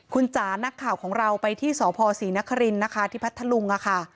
คุณจ๋านักข่าวของเราไปที่สพศรีนครินนะคะที่พัทธลุงค่ะ